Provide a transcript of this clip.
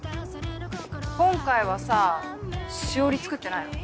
今回はさしおり作ってないの？